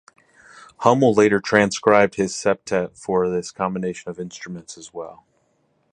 Hummel later transcribed his septet for this combination of instruments as well.